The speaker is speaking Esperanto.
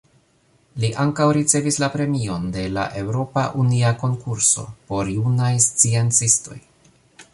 Li ankaŭ ricevis la Premion de la Eŭropa Unia Konkurso por Junaj Sciencistoj.